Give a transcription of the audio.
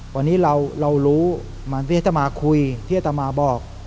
วันนี้เรารู้ที่อาจารย์มาคุยที่อาจารย์มาบอก